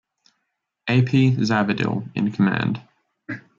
A. P. Zavadil in command.